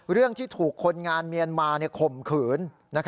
เรื่องที่ถูกคนงานเมียนมาข่มขืน